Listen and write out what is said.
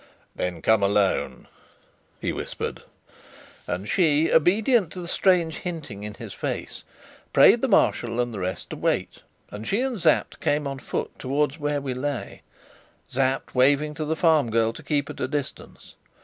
"Then come alone," he whispered. And she, obedient to the strange hinting in his face, prayed the Marshal and the rest to wait; and she and Sapt came on foot towards where we lay, Sapt waving to the farm girl to keep at a distance.